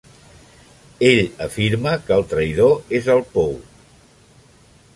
Ell afirma que el traïdor és al pou.